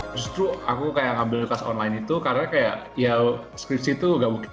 terus tuh aku kayak ngambil kelas online itu karena kayak ya skripsi itu gak begitu banyak